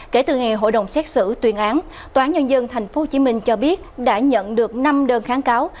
kể từ ngày hội đồng xét xử tuyên án tnthph cho biết đã nhận được năm đơn kháng cáo